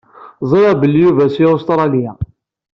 Ẓriɣ belli Yuba si Ustralya.